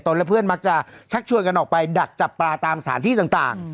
และเพื่อนมักจะชักชวนกันออกไปดักจับปลาตามสถานที่ต่าง